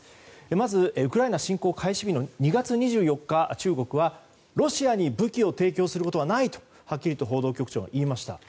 まずウクライナ侵攻開始後の２月２４日、中国はロシアに武器を提供することはないと報道局長がはっきりと言いました。